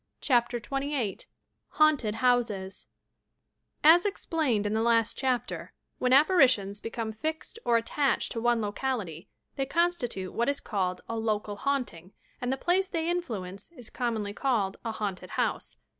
CHAPTER XXVin HAUNTED HOUSES i As explained in the last chapter, when apparitions be come fixed or attached to one locality, they constitute what is called a "local haunting," and the place they in fluence is commonly called a "haunted house."